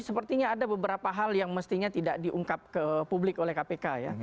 sepertinya ada beberapa hal yang mestinya tidak diungkap ke publik oleh kpk ya